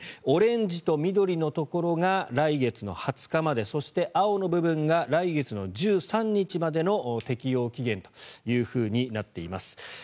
オレンジと緑のところが来月２０日までそして、青の部分が来月の１３日までの適用期限となっています。